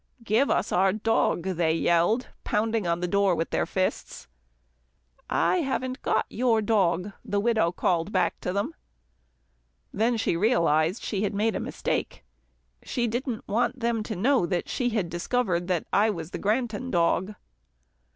"Give us our dog," they yelled, pounding on the door with their fists. "I haven't got your dog," the widow called back to them. Then she realised she had made a mistake. She didn't want them to know she had discovered I was the Granton dog.